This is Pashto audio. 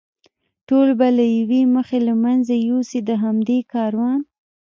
ټول به له یوې مخې له منځه یوسي، د همدې کاروان.